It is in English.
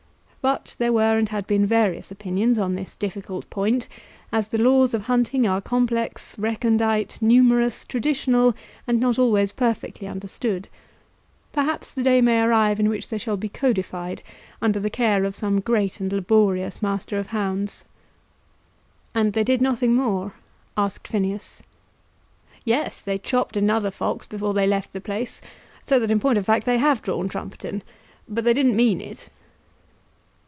But there were and had been various opinions on this difficult point, as the laws of hunting are complex, recondite, numerous, traditional, and not always perfectly understood. Perhaps the day may arrive in which they shall be codified under the care of some great and laborious master of hounds. "And they did nothing more?" asked Phineas. "Yes; they chopped another fox before they left the place, so that in point of fact they have drawn Trumpeton. But they didn't mean it."